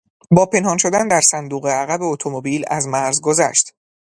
با پنهان شدن در صندوق عقب اتومبیل از مرز گذشت.